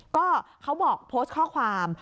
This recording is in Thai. ก็เขาบอกโพสต์ข้อความ